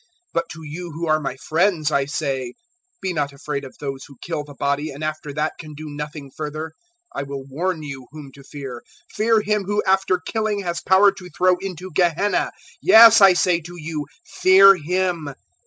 012:004 "But to you who are my friends I say, "`Be not afraid of those who kill the body and after that can do nothing further. 012:005 I will warn you whom to fear: fear him who after killing has power to throw into Gehenna: yes, I say to you, fear him.